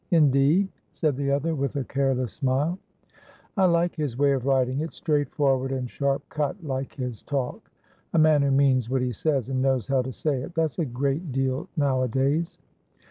"Indeed?" said the other, with a careless smile. "I like his way of writing. It's straight forward and sharp cut, like his talk. A man who means what he says, and knows how to say it; that's a great deal nowadays."